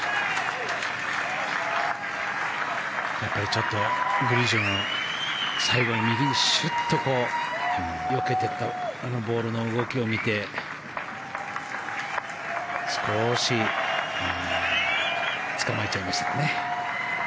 ちょっとグリジョの最後に右にシュッとよけていったあのボールの動きを見て少しつかまえちゃいましたかね。